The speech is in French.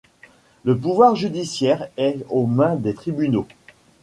Le pouvoir judiciaire est aux mains des tribunaux.